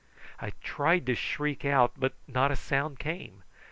I tried to shriek out, but not a sound came.